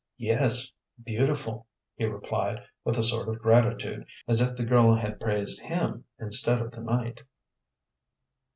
"Yes, beautiful," he replied, with a sort of gratitude, as if the girl had praised him instead of the night.